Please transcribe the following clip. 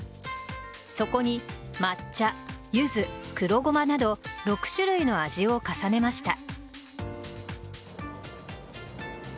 そこに抹茶、ゆず、黒ゴマなど６種類の味を重ねました。